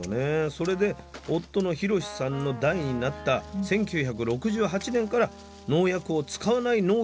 それで夫の博四さんの代になった１９６８年から農薬を使わない農業を始めたんです。